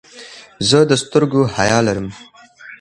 زه د سترګو حیا لرم.